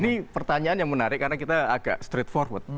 ini pertanyaan yang menarik karena kita agak street forward